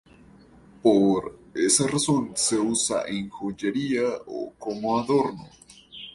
Por esa razón se usa en joyería o como adorno.